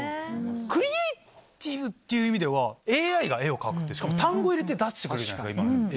クリエイティブっていう意味ではＡＩが絵を描くしかも単語入れて出してくれるじゃないですか。